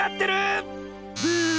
ブー！